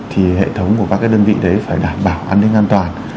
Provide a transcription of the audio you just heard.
thì hệ thống của các đơn vị đấy phải đảm bảo an ninh an toàn